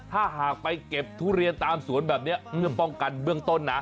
ถ้าหากไปเก็บทุเรียนตามสวนแบบนี้เพื่อป้องกันเบื้องต้นนะ